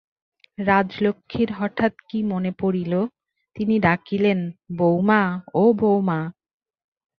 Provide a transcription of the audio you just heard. রাজলক্ষ্মীর হঠাৎ কী মনে পড়িল–তিনি ডাকিলেন, বউমা, ও বউমা।